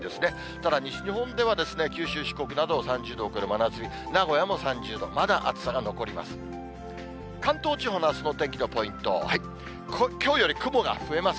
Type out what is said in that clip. ただ西日本では九州、四国など、３０度を超える真夏日、名古屋も３０度、まだ暑さが残ります。